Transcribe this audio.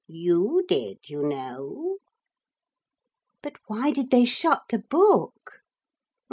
You did, you know.' 'But why did they shut the book?'